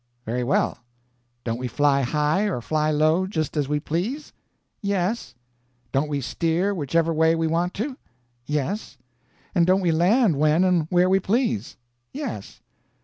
"Very well. Don't we fly high or fly low, just as we please?" "Yes." "Don't we steer whichever way we want to?" "Yes." "And don't we land when and where we please?" "Yes."